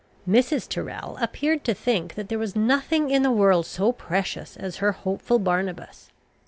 Mrs. Tyrrel appeared to think that there was nothing in the world so precious as her hopeful Barnabas.